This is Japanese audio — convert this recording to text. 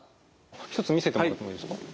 一つ見せてもらってもいいですか？